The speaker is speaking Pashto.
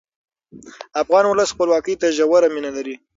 افغان ولس خپلواکۍ ته ژوره مینه لري.